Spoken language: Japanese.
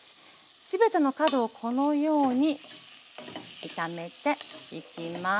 全ての角をこのように炒めていきます。